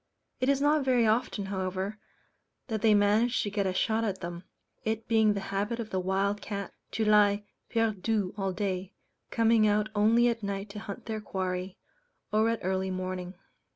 It is not very often, however, that they manage to get a shot at them, it being the habit of the wild cat to lie perdu all day, coming out only at night to hunt their quarry, or at early morning.